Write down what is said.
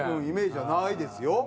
イメージはないですよ。